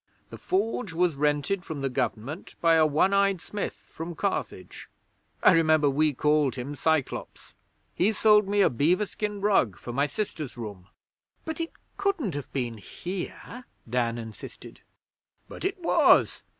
The Forge was rented from the Government by a one eyed smith from Carthage. I remember we called him Cyclops. He sold me a beaver skin rug for my sister's room.' 'But it couldn't have been here,' Dan insisted. 'But it was!